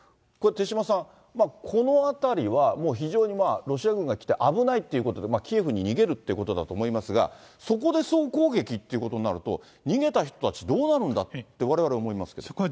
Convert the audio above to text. これ、手嶋さん、まあこの辺りはもう非常にロシア軍が来て危ないということで、キエフに逃げるってことだと思いますが、そこで総攻撃っていうことになると、逃げた人たち、どうなるんだってわれわれ思いますけど。